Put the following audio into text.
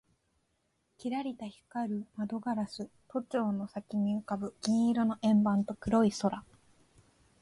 キラリと光る窓ガラス、都庁の先に浮ぶ銀色の円盤と黒い空